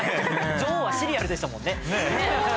女王はシリアルでしたもんね。